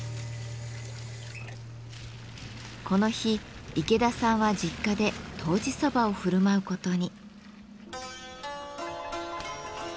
この日池田さんは実家でとうじそばを振る舞うことに。